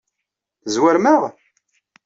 Tezwarem-aɣ?